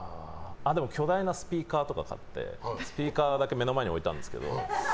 あ、でも巨大なスピーカー買ってスピーカーだけ目の前に置いてあるんですけど。